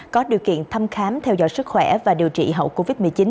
có điều kiện thăm khám theo dõi sức khỏe và điều trị hậu covid một mươi chín